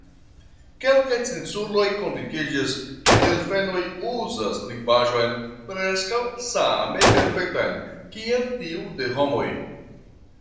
Kelkaj scienculoj konvinkiĝis, ke delfenoj uzas lingvaĵon preskaŭ same perfektan, kiel tiu de homoj.